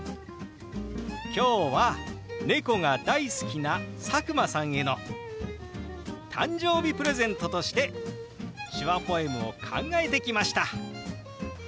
今日は猫が大好きな佐久間さんへの誕生日プレゼントとして手話ポエムを考えてきました。